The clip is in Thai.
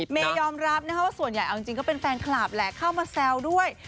เมย์ยอมรับนะคะว่าส่วนใหญ่เอาจริงก็เป็นแฟนคลับแหละเข้ามาแซวด้วย